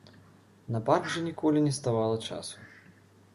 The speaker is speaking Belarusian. На парк жа ніколі не ставала часу.